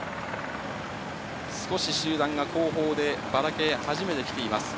少し集団が後方で、ばらけ始めてきています。